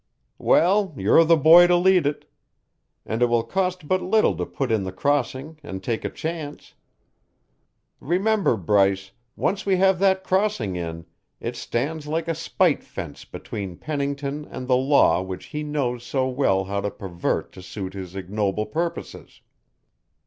"Well, you're the boy to lead it. And it will cost but little to put in the crossing and take a chance. Remember, Bryce, once we have that crossing in, it stands like a spite fence between Pennington and the law which he knows so well how to pervert to suit his ignoble purposes."